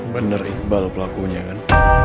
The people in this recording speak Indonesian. bener iqbal pelakunya kan